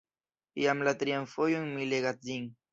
Jam la trian fojon mi legas ĝin.